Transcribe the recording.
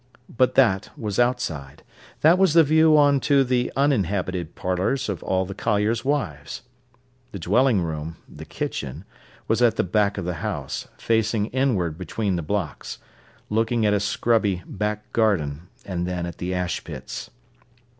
But that was outside; that was the view on to the uninhabited parlours of all the colliers' wives. The dwelling room, the kitchen, was at the back of the house, facing inward between the blocks, looking at a scrubby back garden, and then at the ash pits.